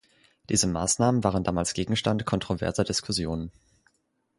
Diese Maßnahmen waren damals Gegenstand kontroverser Diskussionen.